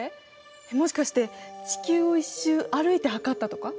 もしかして地球を１周歩いて測ったとか？